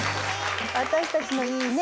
私たちの「いいね！」